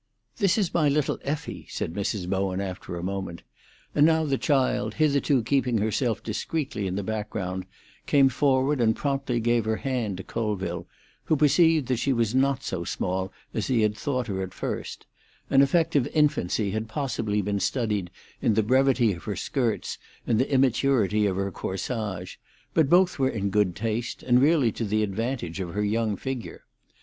"This is my little Effie," said Mrs. Bowen after a moment; and now the child, hitherto keeping herself discreetly in the background, came forward and promptly gave her hand to Colville, who perceived that she was not so small as he had thought her at first; an effect of infancy had possibly been studied in the brevity of her skirts and the immaturity of her corsage, but both were in good taste, and really to the advantage of her young figure.